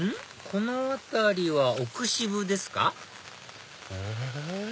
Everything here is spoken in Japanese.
この辺りは奥渋ですか？